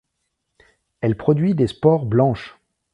Elle produit des spores blanches.